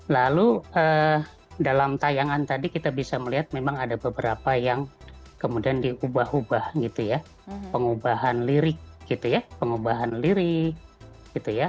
lalu dalam tayangan tadi kita bisa melihat memang ada beberapa yang kemudian diubah ubah gitu ya pengubahan lirik gitu ya pengubahan liri gitu ya